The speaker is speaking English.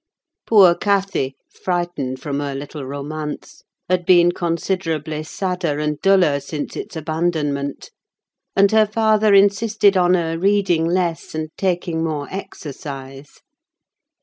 Poor Cathy, frightened from her little romance, had been considerably sadder and duller since its abandonment; and her father insisted on her reading less, and taking more exercise.